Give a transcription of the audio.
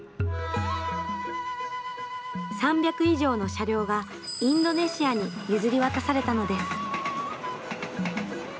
３００以上の車両がインドネシアに譲り渡されたのです。